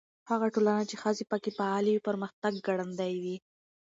هغه ټولنه چې ښځې پکې فعالې وي، پرمختګ ګړندی وي.